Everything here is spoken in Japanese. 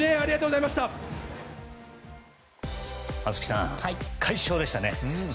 松木さん、快勝でしたね。